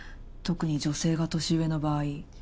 特に女性が年上の場合。